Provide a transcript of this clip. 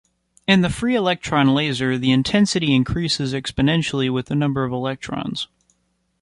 In the free electron laser the intensity increases exponentially with the number of electrons.